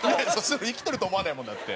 生きてると思わないもんだって。